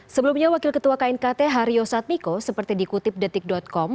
sebelumnya wakil ketua knkt haryo satmiko seperti dikutip detik com